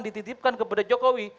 dititipkan kepada jokowi